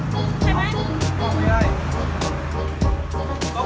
ทุกที่ว่าใช่ไหม